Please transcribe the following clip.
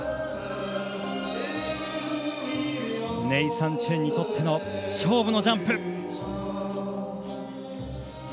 ネイサン・チェンにとっての勝負のジャンプ。